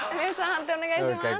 判定お願いします。